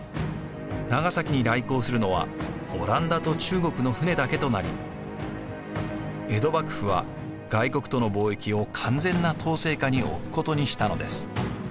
長崎に来航するのはオランダと中国の船だけとなり江戸幕府は外国との貿易を完全な統制下に置くことにしたのです。